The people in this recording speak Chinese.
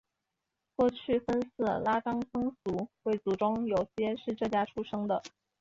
过去分寺拉章僧俗贵族中有些是这家出生的。